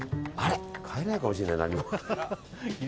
買えないかもしれないな。